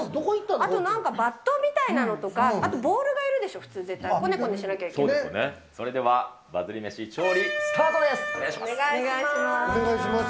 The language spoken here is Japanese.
あとなんか、バットみたいなのとか、あとボウルがいるでしょう、普通、こねこねしなきゃいけそれではバズり飯、調理スタお願いします。